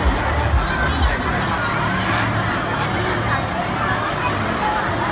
นี่คือราวะ